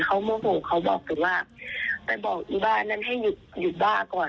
เขาโมโหเขาบอกแต่ว่าไปบอกอีบ้านั้นให้หยุดหยุดบ้าก่อน